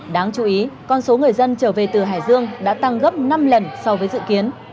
đáng chú ý con số người dân trở về từ hải dương đã tăng gấp năm lần so với dự kiến